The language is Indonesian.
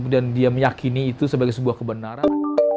kemudian dia meyakini itu sebagai sebuah kebenaran